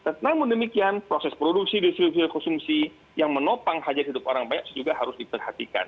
namun demikian proses produksi distribusi konsumsi yang menopang hajat hidup orang banyak juga harus diperhatikan